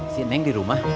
si neng di rumah